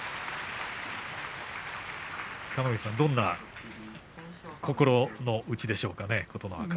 北の富士さん、どんな心の内でしょうかね、琴ノ若。